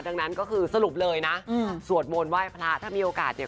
ดังนั้นก็คือสรุปเลยนะสวดมนต์ไหว้พระถ้ามีโอกาสเนี่ย